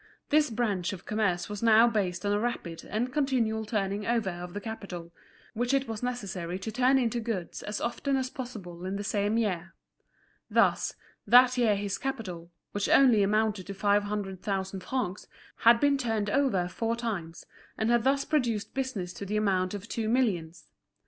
This branch of commerce was now based on a rapid and continual turning over of the capital, which it was necessary to turn into goods as often as possible in the same year. Thus, that year his capital, which only amounted to five hundred thousand francs, had been turned over four times, and had thus produced business to the amount of two millions.